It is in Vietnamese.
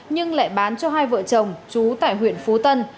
nhưng lại bán cho hai vợ chồng chú tại huyện phú tân